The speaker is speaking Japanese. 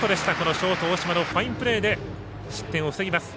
ショート大島のファインプレーで失点を防ぎます。